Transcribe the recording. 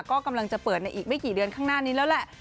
ก็กำลังจะเปิดในอีกไม่กี่เดือนข้างหน้านี้แล้วแหละ